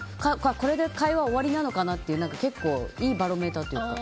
これで会話終わりなのかなといういいバロメーターというか。